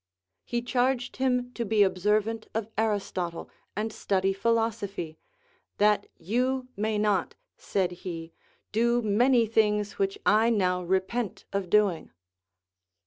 He charged him to be observant of Aristotle, and study philosophy. That you may not, said he, do many things which I now repent of doing.